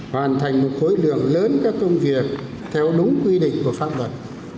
hoàn thành một khối lượng lớn các công việc theo đúng quy định của pháp luật